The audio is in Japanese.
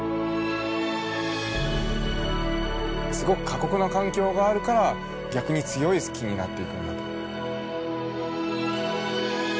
すごく過酷な環境があるから逆に強い木になっていくんだと。